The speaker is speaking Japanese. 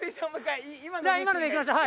じゃあ今のでいきましょう。